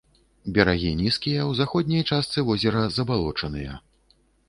Берагі нізкія, у заходняй частцы возера забалочаныя.